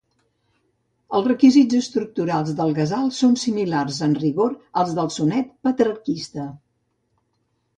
Els requisits estructurals del gazal són similars en rigor als del sonet petrarquista.